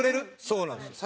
そうなんです。